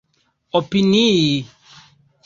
opinii